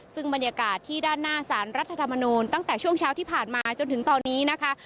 ซึ่งบรรยากาศที่ด้านหน้าสารรัฐธรรมนูลตั้งแต่ช่วงเช้าที่ผ่านมาจนถึงตอนนี้นะคะ